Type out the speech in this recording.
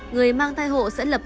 người mang thai hộ sẽ lập tức